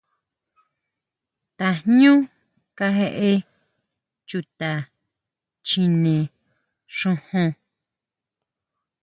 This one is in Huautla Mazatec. ¿Tajñu kajeʼe chuta Chjine xujun?